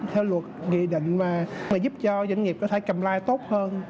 theo luật ghi định mà giúp cho doanh nghiệp có thể comply tốt hơn